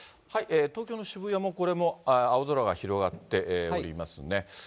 東京の渋谷も、これも青空が広がっていますね。